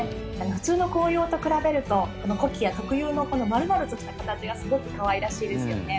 普通の紅葉と比べるとコキア特有の丸々とした形がすごく可愛らしいですよね。